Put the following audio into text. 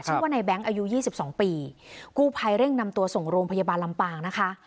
ชื่อว่าในแบงค์อายุ๒๒ปีกูภัยเร่งนำตัวส่งโรงพยาบาลลำปางนะคะ